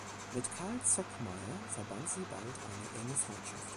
Mit Carl Zuckmayer verband sie bald eine enge Freundschaft.